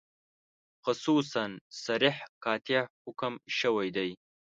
خصوصاً صریح قاطع حکم شوی دی.